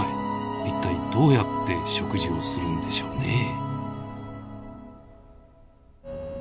一体どうやって食事をするんでしょうねえ？